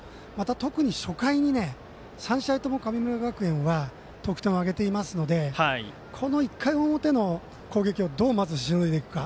特に初回に３試合とも神村学園は得点を挙げていますのでこの１回表の攻撃をどう、まずしのいでいくか。